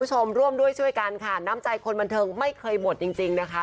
คุณผู้ชมร่วมด้วยช่วยกันค่ะน้ำใจคนบันเทิงไม่เคยหมดจริงนะคะ